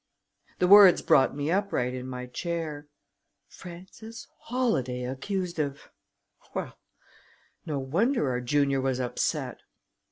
The words brought me upright in my chair. Frances Holladay accused of well! no wonder our junior was upset!